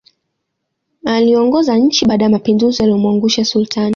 Aliongoza nchi baada ya mapinduzi yaliyomwangusha Sultani